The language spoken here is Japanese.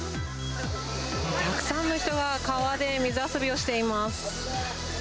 たくさんの人が川で水遊びをしています。